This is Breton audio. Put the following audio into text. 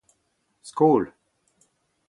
skol